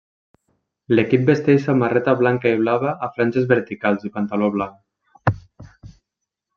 L'equip vesteix samarreta blanca i blava a franges verticals i pantaló blanc.